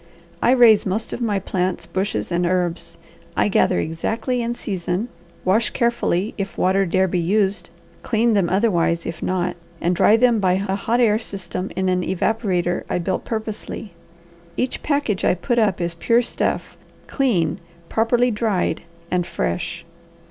I raise most of my plants, bushes, and herbs. I gather exactly in season, wash carefully if water dare be used, clean them otherwise if not, and dry them by a hot air system in an evaporator I built purposely. Each package I put up is pure stuff, clean, properly dried, and fresh.